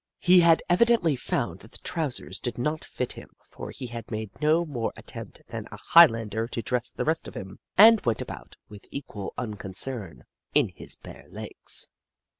He had evidently found that the trousers did not fit him, for he had made no more attempt than a Highlander to dress the rest of him, and went about, with equal unconcern, in his bare legs.